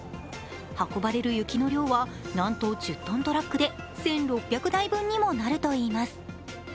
運ばれる雪の量は、なんと１０トントラックで１６００台にもなるといいます。